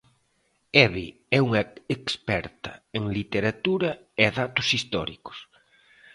Eve é unha experta en literatura e datos históricos.